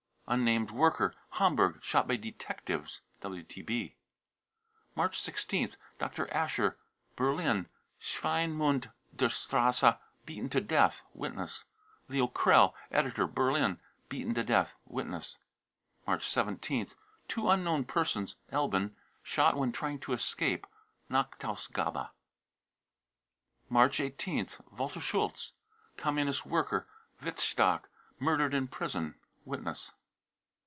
unnamed worker, Hamburg, shot by detectives. (WTB.) March 16th. dr. ascher, Berlin, Swinemunderstrasse, beaten to death. (Witness.) leo krell, editor, Berlin, beaten to death. (Witness.) March 17th. two unknown persons, Elbin, c< shot when trying to escape." (JVachtausgabe.) March 18th. Walter schulz, Communist worker, Wittstock, murdered in prison. (Witness.)